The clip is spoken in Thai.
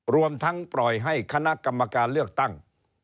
รวมทั้งปล่อยให้คณะกรรมการเลือกตั้ง